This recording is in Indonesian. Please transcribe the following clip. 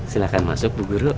silahkan masuk bu guru